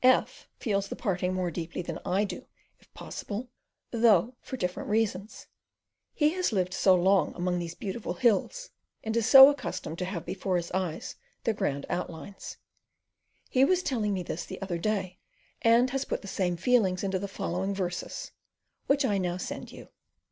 F feels the parting more deeply than I do, if possible, though for different reasons; he has lived so long among these beautiful hills, and is so accustomed to have before his eyes their grand outlines. He was telling me this the other day, and has put the same feelings into the following verses, which I now send you.